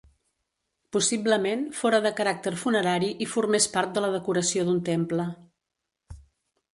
Possiblement, fóra de caràcter funerari i formés part de la decoració d'un temple.